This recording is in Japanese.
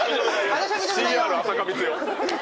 ＣＲ浅香光代。